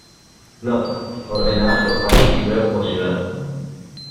Nota: ordenadas por país y luego por ciudad.